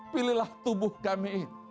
pilihlah tubuh kami